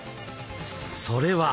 それは。